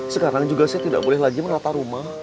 sekarang juga saya tidak boleh lagi merata rumah